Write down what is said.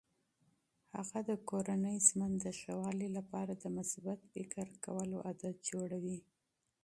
هغه د کورني ژوند د ښه والي لپاره د مثبت فکر کولو عادات جوړوي.